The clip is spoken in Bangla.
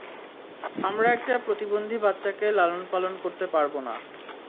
আমরা একটা প্রতিবন্ধী বাচ্চাকে লালন-পালন করতে পারব না।